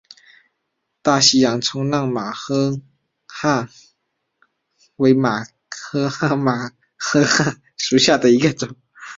大西洋冲浪马珂蛤为马珂蛤科马珂蛤属下的一个种。